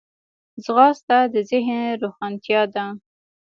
ځغاسته د ذهن روښانتیا ده